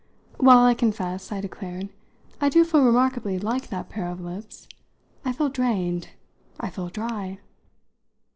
Well, I confess," I declared, "I do feel remarkably like that pair of lips. I feel drained I feel dry!"